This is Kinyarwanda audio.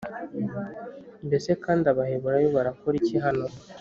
Mbese kandi Abaheburayo barakora iki hano